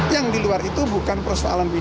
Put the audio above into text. yang di luar itu bukan persoalan pidana untuk apa